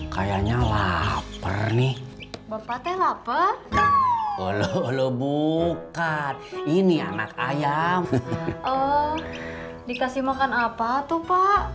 kayaknya laper nih bapak teh laper kalau lo buka ini anak ayam dikasih makan apa tuh pak